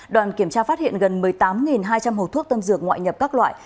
đoàn kiểm tra phát hiện gần một mươi tám hai trăm linh hồ thuốc tân dược ngoại nhập các loại